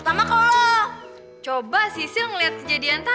ih eh si natra mana